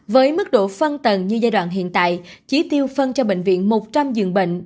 với mức độ phân tầng như giai đoạn hiện tại chỉ tiêu phân cho bệnh viện một trăm linh giường bệnh